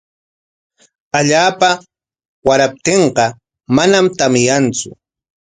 Allaapa wayraptinqa manam tamyantsu.